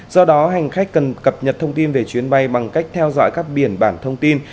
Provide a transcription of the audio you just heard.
do đó hành khách cần cập nhật thông tin về chuyến bay bằng cách theo dõi các biển bản thông tin